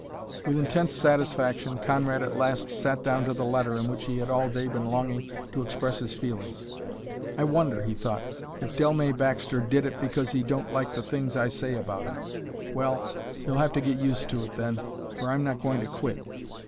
With intense satisfaction Conrad at last sat down to the letter in which he had all day been longing to express his feelings. "I wonder," he thought, "if Dellmey Baxter did it because he don't like the things I say about him. Well, he'll have to get used to it, then, for I'm not going to quit."